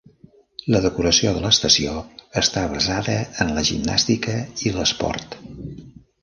La decoració de l'estació està basada en la gimnàstica i l'esport.